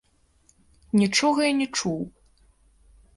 Нічога я не чуў.